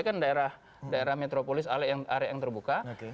kan daerah metropolis area yang terbuka